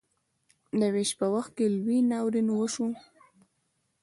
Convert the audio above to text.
د ویش په وخت کې لوی ناورین وشو.